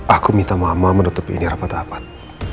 aku minta mama menutupi ini rapat rapat